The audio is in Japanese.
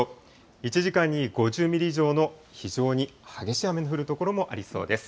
１時間に５０ミリ以上の非常に激しい雨の降る所もありそうです。